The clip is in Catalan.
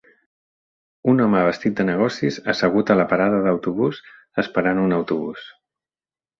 Un home vestit de negocis assegut a la parada d'autobús esperant un autobús.